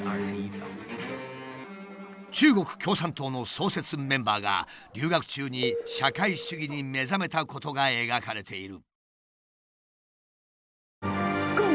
中国共産党の創設メンバーが留学中に社会主義に目覚めたことが描かれている。